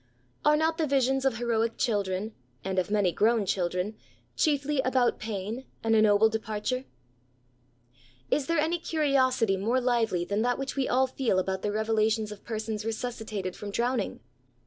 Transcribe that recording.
Are not the visions of heroic children^ DEATH TO THE INVALID. 106 (and of many grown children), chiefly about pain and a noble departure ? Is there any curiosity more lively than that which we all feel about the revelations of persons resuscitated from drowning?